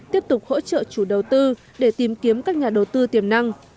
tiếp tục hỗ trợ chủ đầu tư để tìm kiếm các nhà đầu tư tiềm năng